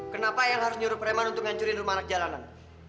kenapa yang harus nyuruh preman untuk ngancurin rumah anak jalanan